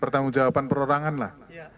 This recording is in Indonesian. pertanggung jawaban perorangan lah